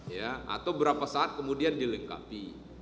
ya atau berapa saat kemudian dilengkapi